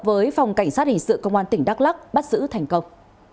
với phòng cảnh sát hình sự công an tỉnh đắk lắc bắt giữ thành công